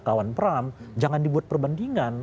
kawan perang jangan dibuat perbandingan